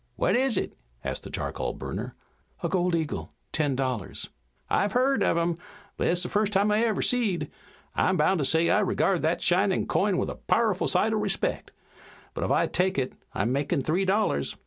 "What is it?" asked the charcoal burner. "A gold eagle, ten dollars." "I've heard of 'em, but it's the first I've ever seed. I'm bound to say I regard that shinin' coin with a pow'ful sight o' respeck. But if I take it I'm makin' three dollars.